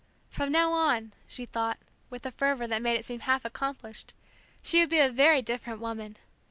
From now on, she thought, with a fervor that made it seem half accomplished, she would be a very different woman.